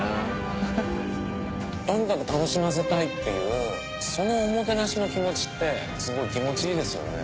とにかく楽しませたいっていうそのおもてなしの気持ちってすごい気持ちいいですよね。